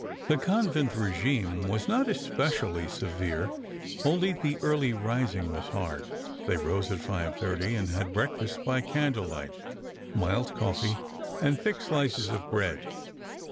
The convent régime was not especially severe. Only the early rising was hard. They rose at 5:30, and had breakfast by candlelight—mild coffee and thick slices of bread.